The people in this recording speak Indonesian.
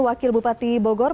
wakil bupati bogor